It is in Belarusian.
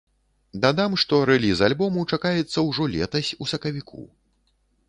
Дадам, што рэліз альбому чакаецца ўжо летась у сакавіку.